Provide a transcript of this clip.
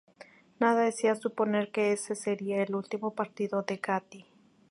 Nada hacía suponer que ese sería el último partido de Gatti.